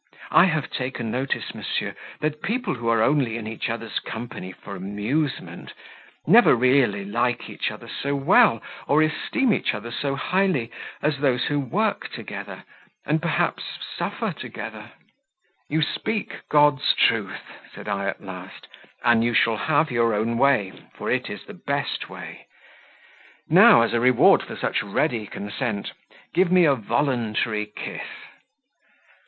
I have taken notice, monsieur, that people who are only in each other's company for amusement, never really like each other so well, or esteem each other so highly, as those who work together, and perhaps suffer together." "You speak God's truth," said I at last, "and you shall have your own way, for it is the best way. Now, as a reward for such ready consent, give me a voluntary kiss."